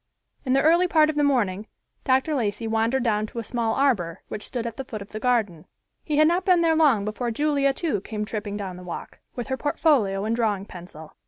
In the early part of the morning Dr. Lacey wandered down to a small arbor, which stood at the foot of the garden. He had not been there long before Julia, too, came tripping down the walk, with her portfolio and drawing pencil.